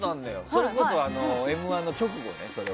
それこそ「Ｍ‐１」の直後